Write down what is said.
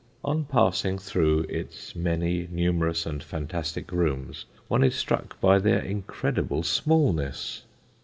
On passing through its very numerous and fantastic rooms one is struck by their incredible smallness.